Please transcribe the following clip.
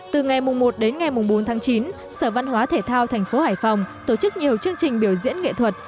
từ ngày một đến ngày bốn tháng chín sở văn hóa thể thao thành phố hải phòng tổ chức nhiều chương trình biểu diễn nghệ thuật